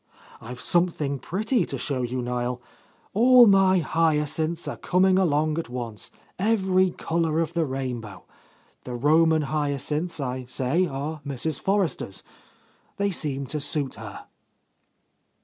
"I've something pretty to show you, Niel. All my hyacinths are coming along at once, every colour of the rainbow. The Roman hyacinths, I say, are Mrs. Forrester's. They seem to suit her.